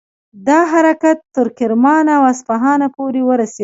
دا حرکت تر کرمان او اصفهان پورې ورسید.